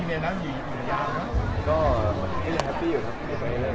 ไม่มีจริงแล้วมันก็แยกกันครับเป็นประเด็นกันครับ